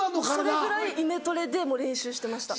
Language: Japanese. それぐらいイメトレでもう練習してました。